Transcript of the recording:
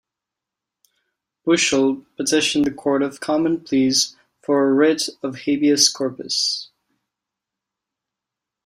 Bushel petitioned the Court of Common Pleas for a writ of "habeas corpus".